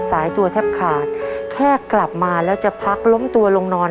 สายตัวแทบขาดแค่กลับมาแล้วจะพักล้มตัวลงนอน